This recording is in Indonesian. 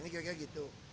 ini kira kira gitu